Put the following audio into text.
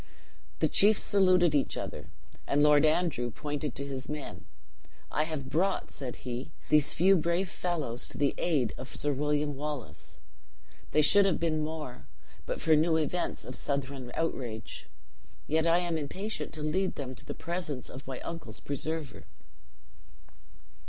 The chiefs saluted each other; and Lord Andrew pointed to his men: "I have brought," said he, "these few brave fellows to the aid of Sir William Wallace. They should have been more, but for new events of Southron outrage. Yet I am impatient to lead them to the presence of my uncle's preserver."